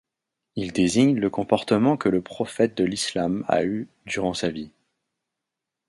Il désigne le comportement que le prophète de l'islam a eu durant sa vie.